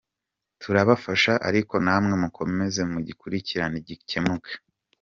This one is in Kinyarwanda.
Turabafasha ariko namwe mukomeze mugikurikirane gikemuke.